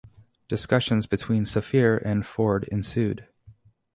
Discussions between Safir and Ford ensued.